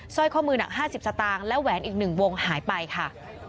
สร้อยข้อมือหนักห้าสิบสตางค์และแหวนอีกหนึ่งวงหายไปค่ะ